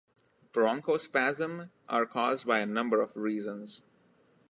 Bronchospasm are caused by a number of reasons.